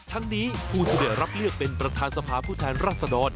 ทั้งนี้ผู้ที่ได้รับเลือกเป็นประธานสภาผู้แทนรัศดร